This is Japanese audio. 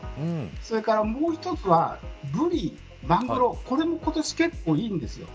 それからもう一つは、ブリマグロ、これも今年結構いいです。